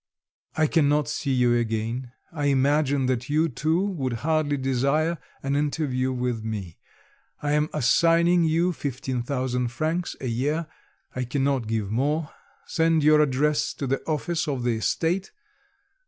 "I cannot see you again; I imagine that you, too, would hardly desire an interview with me. I am assigning you 15,000 francs a year; I cannot give more. Send your address to the office of the estate.